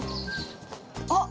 あっ！